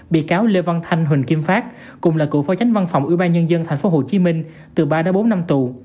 bị cáo lê văn thanh huỳnh kim phát cùng là cựu phó chánh văn phòng ủy ban nhân dân tp hcm từ ba bốn năm tù